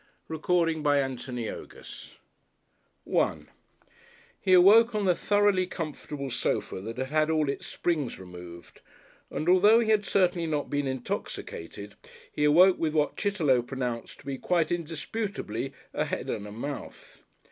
CHAPTER V "SWAPPED" §1 He awoke on the thoroughly comfortable sofa that had had all its springs removed, and although he had certainly not been intoxicated, he awoke with what Chitterlow pronounced to be, quite indisputably, a Head and a Mouth.